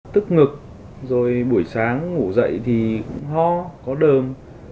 tức ngực rồi buổi sáng ngủ dậy thì cũng ho có đơm